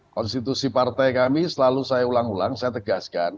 konstitusi partai kami selalu saya ulang ulang saya tegaskan